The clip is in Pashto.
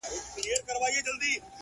له خپل ځان سره ږغيږي”